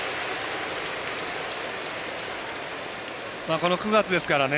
この９月ですからね。